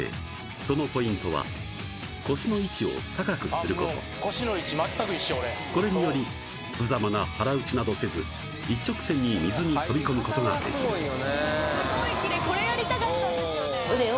そのポイントは腰の位置を高くすること腰の位置全く一緒俺これによりぶざまな腹打ちなどせず一直線に水に飛び込むことができるすごいきれいこれやりたかったですよね